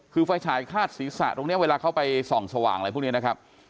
คือไฟฉายคาดศีรษะตรงนี้เวลาเขาไปส่องสว่างอะไรพวกนี้นะครับ